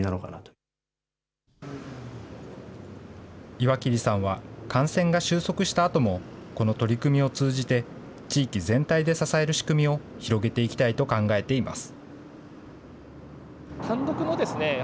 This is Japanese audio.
岩切さんは、感染が収束したあとも、この取り組みを通じて、地域全体で支える仕組みを広げていきたいと考えています。